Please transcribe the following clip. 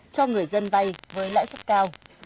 cho người dân vay với lãi suất cao